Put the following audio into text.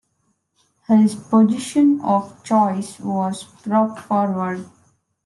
His position of choice was prop forward.